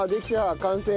完成。